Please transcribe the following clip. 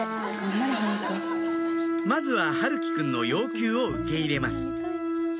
まずは陽喜くんの要求を受け入れます